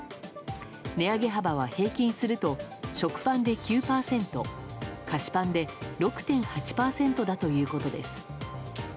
値上げ幅は平均すると食パンで９％菓子パンで６．８％だということです。